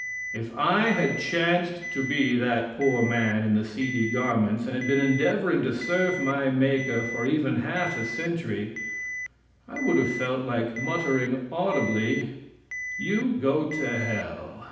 If I had chanced to be that poor man in the seedy garments, and had been endeavoring to serve my Maker for even half a century, I would have felt like muttering audibly, "You go to hell!"